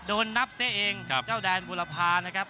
โดนนับซะเองเจ้าแดนบุรพานะครับ